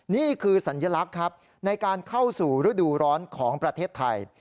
นี่คือสัญลักษณ์ครับในการเข้าสู่ฤดูร้อนของประเทศไทย